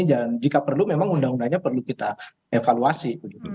dan jika perlu memang undang undangnya perlu kita evaluasi